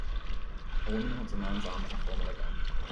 A woman holds a man 's arm at a formal event.